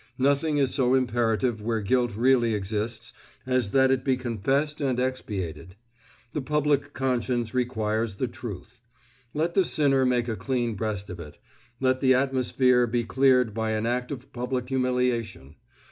Nothing is so imperative where guilt really exists as that it be confessed and expiated. The public conscience requires the truth. Let the sinner make a clean breast of it; let the atmosphere be cleared by an act of public humiliation.